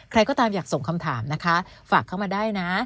ใครก็ตามอยากส่งคำถามนะคะฝากเข้ามาได้นะ